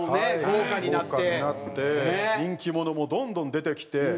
豪華になって人気者もどんどん出てきて。